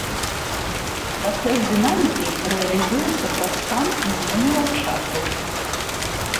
Працэс дынамікі рэалізуецца праз стан і змены ландшафтаў.